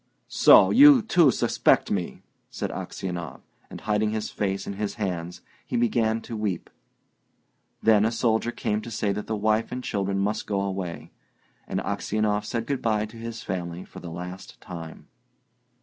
"So you, too, suspect me!" said Aksionov, and, hiding his face in his hands, he began to weep. Then a soldier came to say that the wife and children must go away; and Aksionov said good bye to his family for the last time.